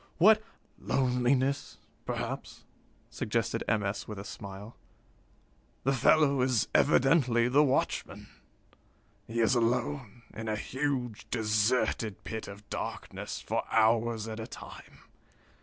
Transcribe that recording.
What " "Loneliness, perhaps," suggested M. S. with a smile. "The fellow is evidently the watchman. He is alone, in a huge, deserted pit of darkness, for hours at a time.